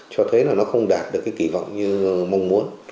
cho thấy là nó không đạt được cái kỳ vọng như mong muốn